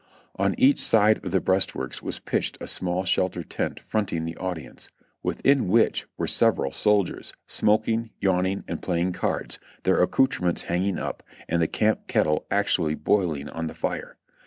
On each side of the breastworks was pitched a small shelter tent fronting the audience, within which were several soldiers, smoking, yawning and playing cards,^ their accoutrements hanging up, and the camp kettle actually boiling on the fire.